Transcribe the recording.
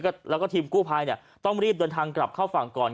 แล้วก็ทีมกู้ภัยเนี่ยต้องรีบเดินทางกลับเข้าฝั่งก่อน